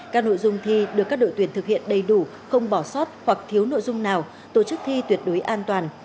các nội dung thi được các đội tuyển thực hiện đầy đủ không bỏ sót hoặc thiếu nội dung nào tổ chức thi tuyệt đối an toàn